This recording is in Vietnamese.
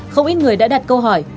không ít người đã đặt câu hỏi